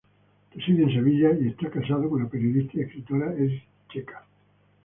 Reside en Sevilla y está casado con la periodista y escritora Edith Checa.